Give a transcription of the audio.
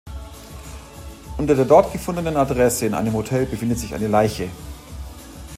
Unter der dort gefundenen Adresse in einem Hotel befindet sich eine Leiche.